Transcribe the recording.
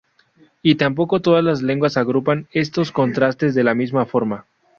Y tampoco todas las lenguas agrupan estos contrastes de la misma forma.